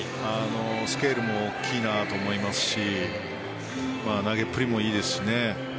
スケールも大きいなと思いますし投げっぷりもいいですし。